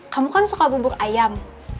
kamu kan suka bubuk ayam